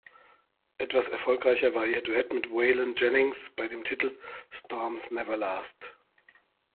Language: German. Etwas erfolgreicher war ihr Duett mit Waylon Jennings bei dem Titel "Storms Never Last".